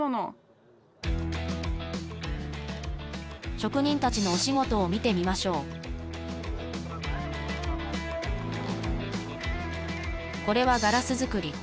職人たちのお仕事を見てみましょうこれはガラス作り。